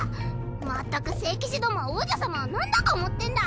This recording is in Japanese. まったく聖騎士どもは王女様をなんだと思ってんだ。